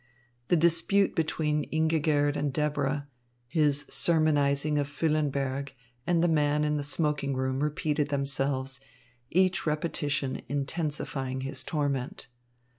The dispute between Ingigerd and Deborah, his sermonising of Füllenberg and the man in the smoking room repeated themselves, each repetition intensifying his torment.